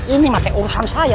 ini bukan urusan saya